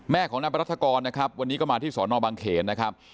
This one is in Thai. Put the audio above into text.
แม่ของนายปรัฐกรนะครับวันนี้ก็มาที่สอนอบางเขนนะครับ